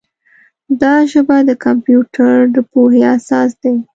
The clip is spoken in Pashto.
دا ژبه د کمپیوټر د پوهې اساس دی.